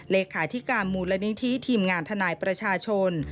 เลขาธิการมูลนิธิทีมงานทนายประชาชน